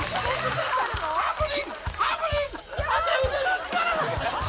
ハプニング！